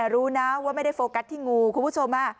รู้นะว่าไม่ได้โฟกัสที่งูคุณผู้ชม